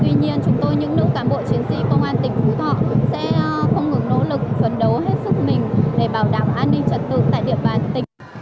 tuy nhiên chúng tôi những nữ cán bộ chiến sĩ công an tỉnh phú thọ sẽ không ngừng nỗ lực phấn đấu hết sức mình để bảo đảm an ninh trật tự tại địa bàn tỉnh